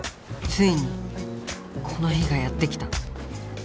ついにこの日がやって来た。